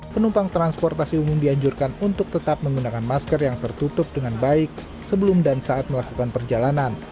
penumpang transportasi umum dianjurkan untuk tetap menggunakan masker yang tertutup dengan baik sebelum dan saat melakukan perjalanan